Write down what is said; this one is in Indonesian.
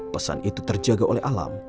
pesan itu terjaga oleh alam